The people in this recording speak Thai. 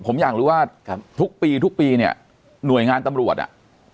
ผมอยากรู้ว่าทุกปีทุกปีเนี่ยหน่วยงานตำรวจอ่ะ